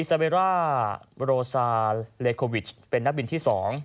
ซาเบร่าโรซาเลโควิชเป็นนักบินที่๒